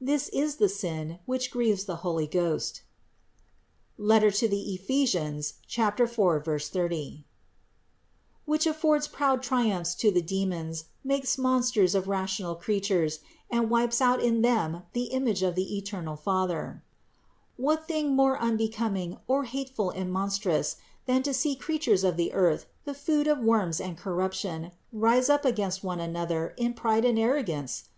That is the sin, which grieves the Holy Ghost (Eph. 4, 30), affords proud triumphs to the demons, makes mon sters of rational creatures, and wipes out in them the image of the eternal Father ! What thing more unbecom ing, or hateful and monstrous, than to see creatures of the earth, the food of worms and corruption, rise up against one another in pride and arrogance?